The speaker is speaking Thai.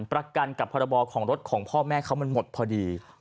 ประกันกับพรบของรถของพ่อแม่เขามันหมดพอดี